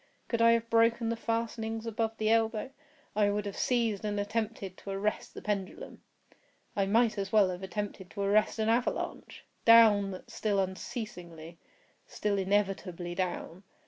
Could I have broken the fastenings above the elbow, I would have seized and attempted to arrest the pendulum. I might as well have attempted to arrest an avalanche! Down—still unceasingly—still inevitably down!